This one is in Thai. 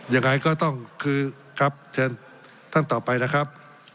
ยังไงก็ต้องคือครับเชิญท่านต่อไปนะครับ